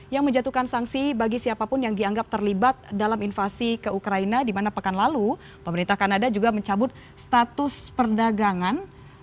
yang menjatuhkan sanksi bagi siapapun yang dianggap terlibat dalam invasi ke ukraina di mana pekan lalu pemerintah kanada juga mencabut status perdagangan